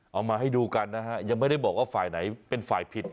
เอามาให้ดูกันนะฮะยังไม่ได้บอกว่าฝ่ายไหนเป็นฝ่ายผิด